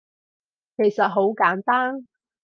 其實好簡單